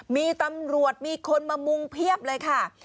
มีตำรวจมีคนมามุงเพียบเลยค่ะ